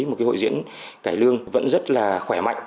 một cái hội diễn cải lương vẫn rất là khỏe mạnh